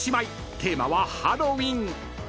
テーマはハロウィン］